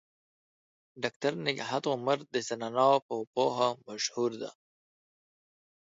ډاکټر نگهت عمر د زنانو پوهه مشهوره ده.